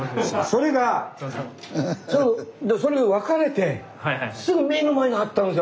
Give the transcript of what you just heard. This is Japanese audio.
それがその別れてすぐ目の前にあったんですよ